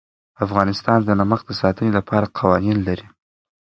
افغانستان د نمک د ساتنې لپاره قوانین لري.